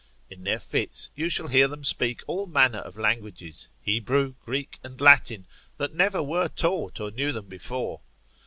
In their fits you shall hear them speak all manner of languages, Hebrew, Greek, and Latin, that never were taught or knew them before.